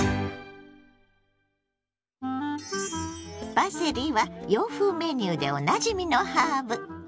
パセリは洋風メニューでおなじみのハーブ。